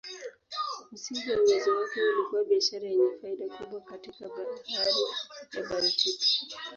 Msingi wa uwezo wake ulikuwa biashara yenye faida kubwa katika Bahari ya Baltiki.